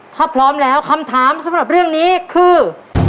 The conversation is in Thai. ถ้าพร้อมแล้วคำถามสำหรับเรื่องนี้คือ